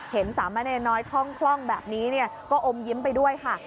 สามะเนรน้อยท่องคล่องแบบนี้ก็อมยิ้มไปด้วยค่ะ